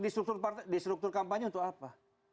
kalau pak sb masuk di struktur kampanye untuk apa